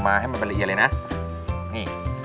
ทำให้มันละเอียดอย่างนี้